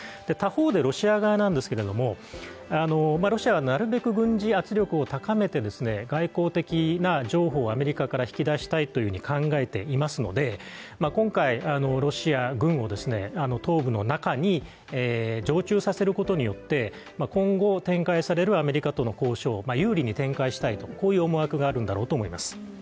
他方でロシア側なんですけれどもロシアはなるべく軍事圧力を高めて外交的な譲歩をアメリカから引き出したいというふうに考えていますので今回、ロシア軍を東部の中に常駐させることによって今後展開されるアメリカとの交渉を有利に展開したいと、こういう思惑があるんだろうと思います。